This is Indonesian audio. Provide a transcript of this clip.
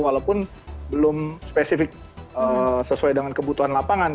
walaupun belum spesifik sesuai dengan kebutuhan lapangan